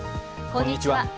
こんにちは。